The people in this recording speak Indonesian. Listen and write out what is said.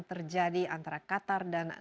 terjadi antara qatar dan